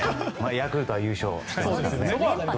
ヤクルトは優勝。